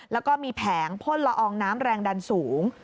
แล้วก็มีแผงพ่นละอองน้ำแรงดันสูง